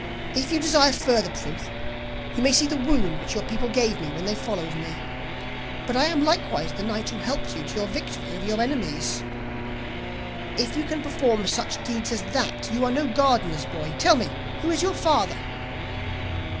'If you desire further proof, you may see the wound which your people gave me when they followed me. But I am likewise the knight who helped you to your victory over your enemies.' 'If you can perform such deeds as that, you are no gardener's boy; tell me, who is your father?